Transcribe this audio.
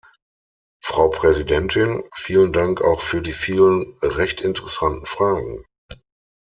Frau Präsidentin! Vielen Dank auch für die vielen recht interessanten Fragen.